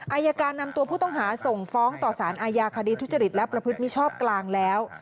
อายการนำตัวผู้ต้องหาส่งฟ้องต่อสารอาญาคดีทุจริตและประพฤติมิชอบกลางแล้ว